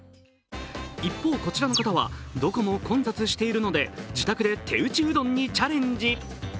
一方、こちらの方はどこも混雑しているので自宅で手打ちうどんにチャレンジ。